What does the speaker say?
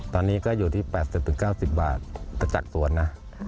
ตอนนี้ก็อยู่ที่๘๐๙๐บาทจากสวนนะ